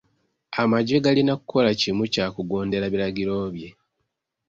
Amagye galina kukola kimu kya kugondera biragiro bye.